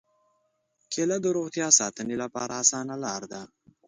کېله د روغتیا ساتنې لپاره اسانه لاره ده.